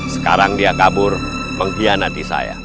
sekarang dia kabur mengkhianati saya